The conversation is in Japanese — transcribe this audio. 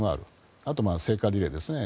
あと、聖火リレーですね。